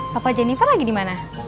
papa jennifer lagi di mana